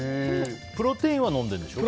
プロテインは飲んでるんでしょ？